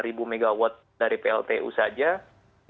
itu sekarang yang belum terselesaikan pun masih akan digenjot